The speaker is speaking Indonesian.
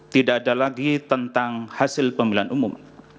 tidak ada lagi tentang hasil pemilihan umum